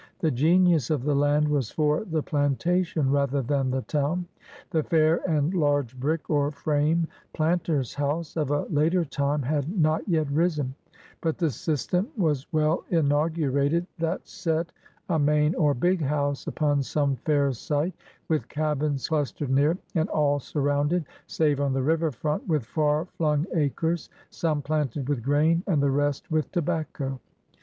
The genius of the land was for the planta tion rather than the town. The fair and large brick or frame planter's house of a later time had not yet risen, but the system was well inaugurated 8 114 PIONEERS OP THE OLD SOUTH that set a main or *^big'' house upon some fair site» with cabins clustered near it» and all sur rounded, save on the river front, with far flimg acres, some planted with grain and the rest with tobacco.